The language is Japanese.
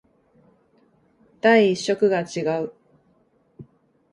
第一色が違う